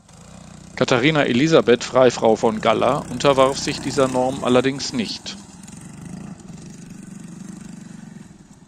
Katharina Elisabeth Freifrau von Galler unterwarf sich dieser Norm allerdings nicht.